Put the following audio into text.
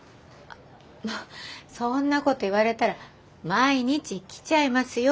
そんなこと言われたら毎日来ちゃいますよ。